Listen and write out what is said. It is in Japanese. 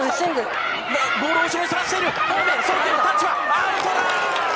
アウトだ！